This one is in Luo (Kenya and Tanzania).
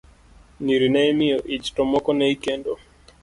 Nyiri ne imiyo ich, to moko ne ikendo.